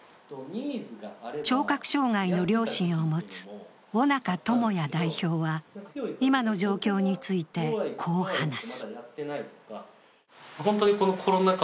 聴覚障害の両親を持つ尾中友哉代表は今の状況についてこう話す。